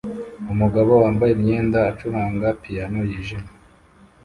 Umugabo wambaye imyenda acuranga piyano yijimye